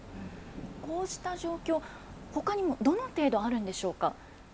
こうした状況、ほかにもどの程度あるんでしょうか。